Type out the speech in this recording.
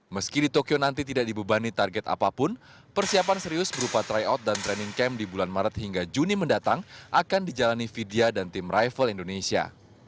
meski di tokyo nanti tidak dibebani target apapun persiapan serius berupa tryout dan training camp di bulan maret hingga juni mendatang akan dijalani vidya dan tim rival indonesia